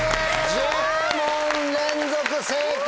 １０問連続正解